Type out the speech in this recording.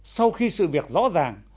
sau khi sự việc rõ ràng